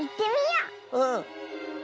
うん！